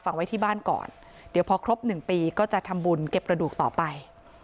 ไว้ที่บ้านก่อนเดี๋ยวพอครบหนึ่งปีก็จะทำบุญเก็บกระดูกต่อไป